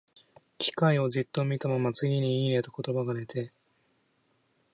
機械をじっと見たまま、次に、「いいね」と言葉が出て、